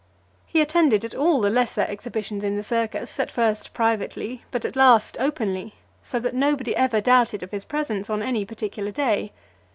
He attended at all the lesser exhibitions in the circus, at first privately, but at last openly; so that nobody ever doubted of his presence on any particular day.